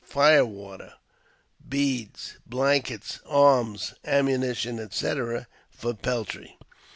fire water,'^ beads, blankets, arms, ammunition, &c., for peltry.